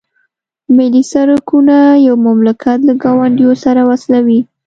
ملي سرکونه یو مملکت له ګاونډیو سره وصلوي